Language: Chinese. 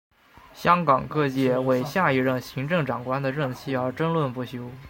香港各界为下一任行政长官的任期而争论不休。